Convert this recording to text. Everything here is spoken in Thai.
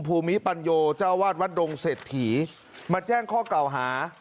ภูมิปัญโยเจ้าวาดวัดดงเศรษฐีมาแจ้งข้อเก่าหา